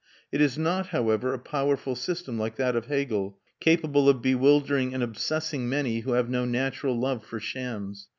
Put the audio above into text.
It is not, however, a powerful system, like that of Hegel, capable of bewildering and obsessing many who have no natural love for shams.